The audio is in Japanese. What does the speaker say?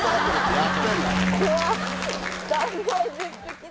やってんだ。